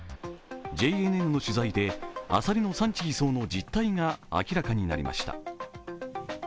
ＪＮＮの取材で、アサリの産地偽装の実態が明らかになりました。